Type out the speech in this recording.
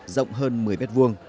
rộng hơn một mươi m hai